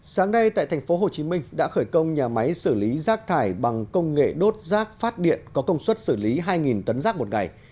sáng nay tại thành phố hồ chí minh đã khởi công nhà máy xử lý rác thải bằng công nghệ đốt rác phát điện có công suất xử lý hai tấn rác một ngày